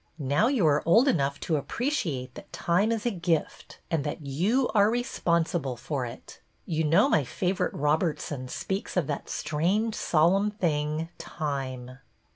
Now you are old enough to appreciate that time is a gift, and that you are responsible for it. You know my favorite Robertson speaks of that strange, solemn thing, time."